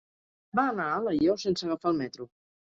Va anar a Alaior sense agafar el metro.